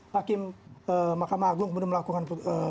hakim mahkamah agung melakukan